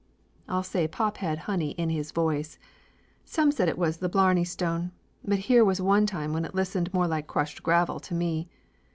I'll say pop had honey in his voice. Some said it was the blarney stone, but here was one time when it listened more like crushed gravel to me.